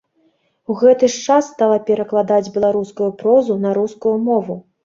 У гэты ж час стала перакладаць беларускую прозу на рускую мову.